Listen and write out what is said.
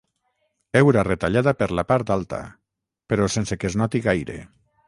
Heura retallada per la part alta, però sense que es noti gaire.